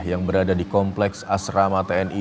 yang berada di kompleks asrama tni